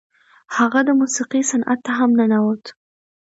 هغه د موسیقۍ صنعت ته هم ننوت.